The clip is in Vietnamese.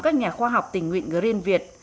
các nhà khoa học tình nguyện riêng việt